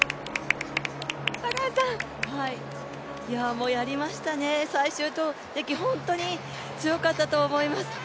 もうやりましたね、最終投てき、本当に強かったと思います。